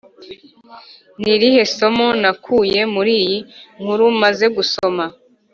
Ni irihe somo nakuye muri iyi nkuru maze gusoma